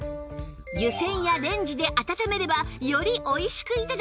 湯せんや電子レンジで温めればより美味しく頂けます